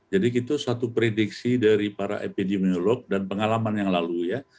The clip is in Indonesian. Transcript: jadi itu satu prediksi dari para epidemiolog dan pengalaman yang lalu ya